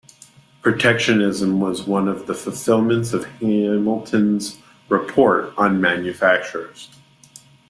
Protectionism was one of the fulfillments of Hamilton's Report on Manufactures.